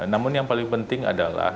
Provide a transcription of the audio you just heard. namun yang paling penting adalah